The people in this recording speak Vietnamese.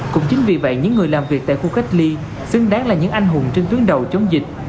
cũng chính vì vậy những người làm việc tại khu cách ly xứng đáng là những anh hùng trên tuyến đầu chống dịch